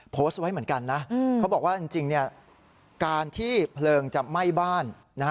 โพสต์ไว้เหมือนกันนะเขาบอกว่าจริงการที่เพลิงจะไหม้บ้าน